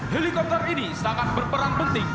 helikopter ini sangat berperan penting